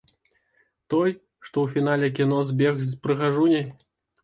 Той, што у фінале кіно збег з прыгажуняй?